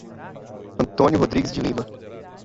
Antônio Rodrigues de Lima